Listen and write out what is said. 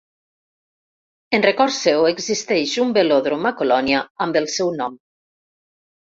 En record seu existeix un velòdrom a Colònia amb el seu nom.